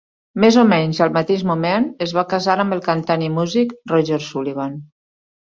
Més o menys al mateix moment, es va casar amb el cantant i músic Roger Sullivan.